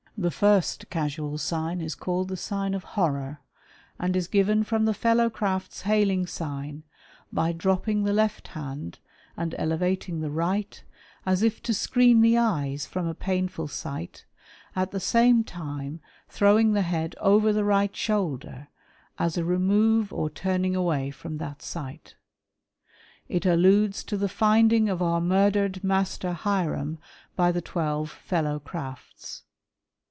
The first casual sign is called the sign of horror, and " is given from the Fellow Craft's hailing sign, by dropping the " left hand and elevating the right, as if to screen the eyes from " a painful sight, at the same time throwing the head over the " right shoulder, as a remove or turning away from that sight. "It alludes to the finding of our murdered Master Hiram by the " twelve Fellow Crafts.